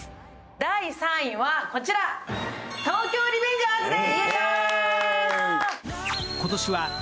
第３位はこちら、「東京リベンジャーズ」です。